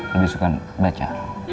lebih suka baca